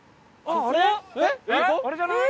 あれじゃない？